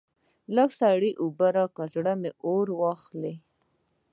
لږ سړې اوبه راکړئ؛ زړه مې اور اخلي.